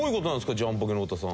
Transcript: ジャンポケの太田さん。